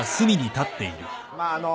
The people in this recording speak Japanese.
まああの。